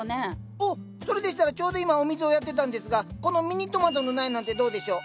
おっそれでしたらちょうど今お水をやってたんですがこのミニトマトの苗なんてどうでしょう？